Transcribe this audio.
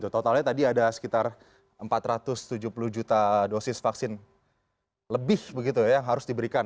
totalnya tadi ada sekitar empat ratus tujuh puluh juta dosis vaksin lebih yang harus diberikan